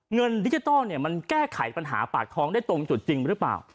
เงินดิจิทัลมันแก้ไขปัญหาปากท้องได้ตรงจุดจริงหรือเปล่า